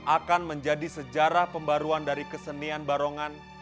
akan menjadi sejarah pembaruan dari kesenian barongan